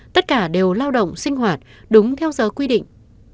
tất cả đều lao động sinh hoạt đúng theo giờ quy định